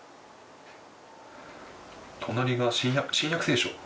隣が新約聖書？